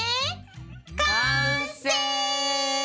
完成！